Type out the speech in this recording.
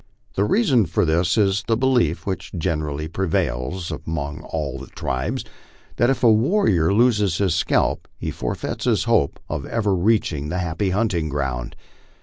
The reason for this is the belief, which generally prevails among all the tribes, that if a warrior loses his scalp he forfeits his hope of ever reaching the happy hunting ground.